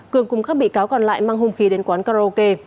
cường cùng các bị cáo còn lại mang hung khí đến quán karaoke